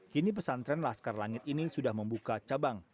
kini pesantren laskar langit ini sudah membuka cabang